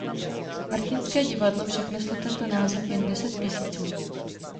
Martinské divadlo však neslo tento název jen deset měsíců.